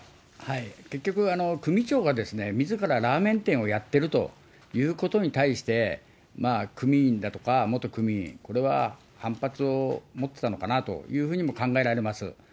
結局、組長がみずからラーメン店をやってるということに対して、組員だとか、元組員、これは反発を持ってたのかなというふうにも考えられます。